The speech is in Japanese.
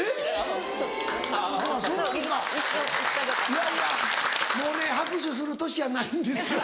いやいやもうね拍手する年やないんですよ。